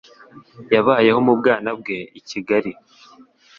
Yabayeho mu bwana bwe i Kigali.